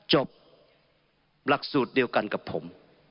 รับรักษูตรเดียวกันกับผม